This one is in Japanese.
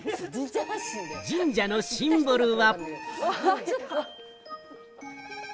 神社のシンボルは。